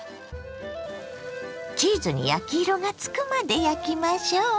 チーズに焼き色がつくまで焼きましょ。